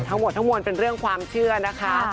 ทั้งหมดทั้งมวลเป็นเรื่องความเชื่อนะคะ